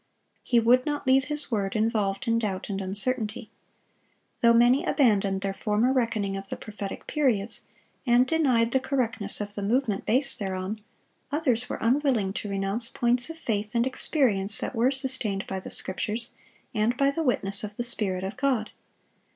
He would not leave His word involved in doubt and uncertainty. Though many abandoned their former reckoning of the prophetic periods, and denied the correctness of the movement based thereon, others were unwilling to renounce points of faith and experience that were sustained by the Scriptures and by the witness of the Spirit of God.